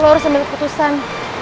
lo harus ambil keputusan